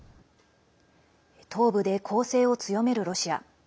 東部で攻勢を強めるロシア。